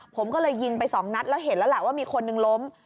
ผมก็เลยยิงไปสองนัดแล้วเห็นแล้วแหละว่ามีคนหนึ่งล้ม